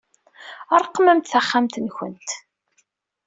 Ṛeqqɛemt taxxamt-nkent.